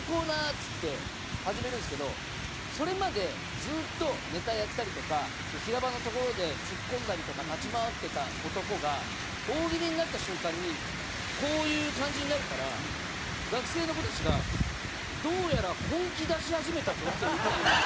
っつって始めるんですけどそれまでずっとネタやったりとか平場のところでツッコんだりとか立ち回ってた男が大喜利になった瞬間にこういう感じになるから学生の子たちが「どうやら本気出し始めたぞ」っていう。